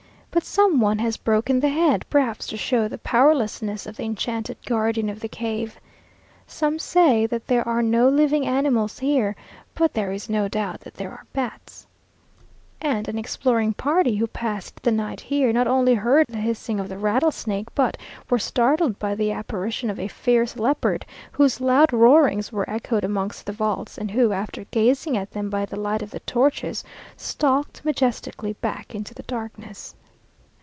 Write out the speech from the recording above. But some one has broken the head, perhaps to show the powerlessness of the enchanted guardian of the cave. Some say that there are no living animals here, but there is no doubt that there are bats; and an exploring party, who passed the night here, not only heard the hissing of the rattlesnake, but were startled by the apparition of a fierce leopard, whose loud roarings were echoed amongst the vaults, and who, after gazing at them by the light of the torches, stalked majestically back into the darkness.